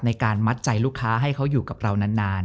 ในการมัดใจลูกค้าให้เขาอยู่กับเรานาน